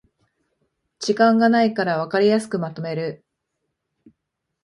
時間がないからわかりやすくまとめる